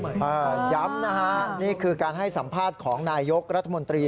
ย้ำนะฮะนี่คือการให้สัมภาษณ์ของนายยกรัฐมนตรี